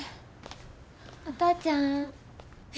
お父ちゃん？え。